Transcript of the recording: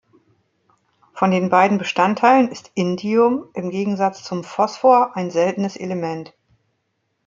Von den beiden Bestandteilen ist Indium, im Gegensatz zum Phosphor, ein seltenes Element.